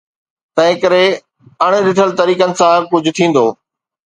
تنهنڪري اڻ ڏٺل طريقن سان ڪجهه ٿيندو.